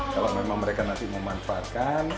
kalau memang mereka nanti memanfaatkan